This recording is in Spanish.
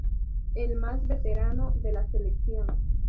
El más veterano de la selección.